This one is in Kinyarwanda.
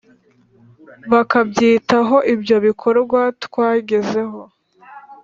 bakabyitaho ibyo bikorwa twagezeho